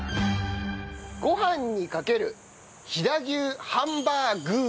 ご飯にかける飛騨牛ハンバー具ー！